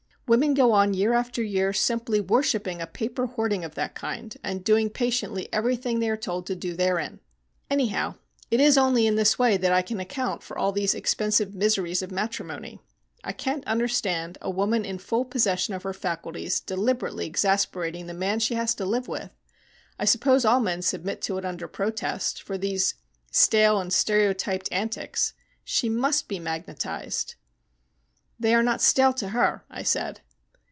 Women go on year after year, simply worshipping a paper hoarding of that kind, and doing patiently everything they are told to do therein. Anyhow, it is only in this way that I can account for all these expensive miseries of matrimony. I can't understand a woman in full possession of her faculties deliberately exasperating the man she has to live with I suppose all men submit to it under protest for these stale and stereotyped antics. She must be magnetised." "They are not stale to her," I said.